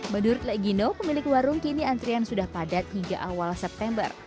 menurut legino pemilik warung kini antrian sudah padat hingga awal september